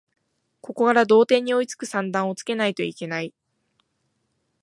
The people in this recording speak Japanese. ここから同点に追いつく算段をつけないといけない